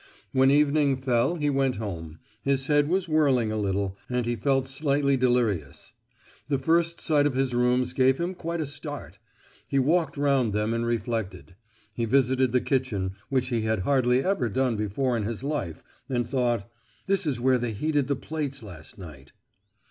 When evening fell he went home, his head was whirling a little, and he felt slightly delirious; the first sight of his rooms gave him quite a start. He walked round them and reflected. He visited the kitchen, which he had hardly ever done before in his life, and thought, "This is where they heated the plates last night."